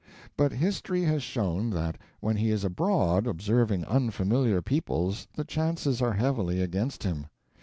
But history has shown that when he is abroad observing unfamiliar peoples the chances are heavily against him.